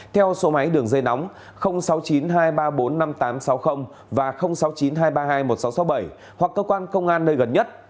theo số máy đường dây nóng sáu mươi chín hai trăm ba mươi bốn năm nghìn tám trăm sáu mươi và sáu mươi chín hai trăm ba mươi hai một nghìn sáu trăm sáu mươi bảy hoặc cơ quan công an nơi gần nhất